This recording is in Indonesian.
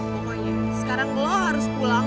pokoknya sekarang lo harus pulang